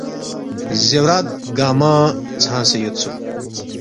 زیورات گنگمہ ژھنگسے یودسُوک